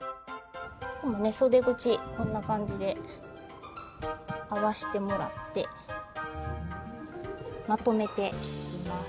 そで口こんな感じで合わしてもらってまとめて切ります。